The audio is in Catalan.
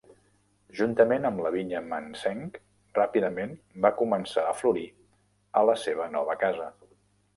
Juntament amb la vinya Manseng, ràpidament va començar a florir a la seva nova casa.